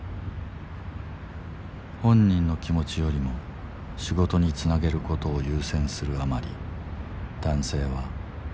本人の気持ちよりも仕事につなげることを優先するあまり男性はより心を閉ざしていった。